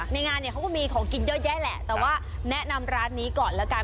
งานเนี่ยเขาก็มีของกินเยอะแยะแหละแต่ว่าแนะนำร้านนี้ก่อนแล้วกัน